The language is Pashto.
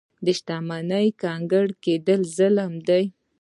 د شتمنۍ کنګل کېدل ظلم دی.